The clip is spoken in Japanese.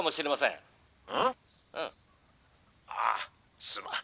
「ん？あすまん」。